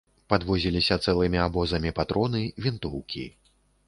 Падвозіліся цэлымі абозамі патроны, вінтоўкі.